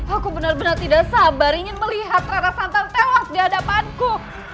aku benar benar tidak sabar ingin melihat rara santan tewas di hadapanku